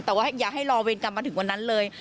แต่ว่าอย่าให้รอเวรกรรมมาถึงวันนั้นเลย